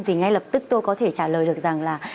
thì ngay lập tức tôi có thể trả lời được rằng là